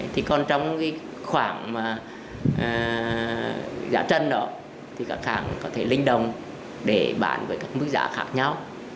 thì còn trong cái khoảng giá trần đó thì các hãng có thể linh đồng để bán với các mức giá khác nhau